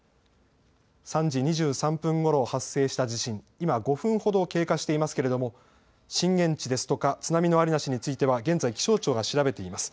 ３時２３分ごろ発生した地震、今、５分ほど経過していますけれども震源地ですとか津波のありなしについては現在、気象庁が調べています。